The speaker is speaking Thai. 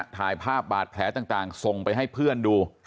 ถ่ายภาพบาดแผลต่างส่งไปให้เพื่อนดู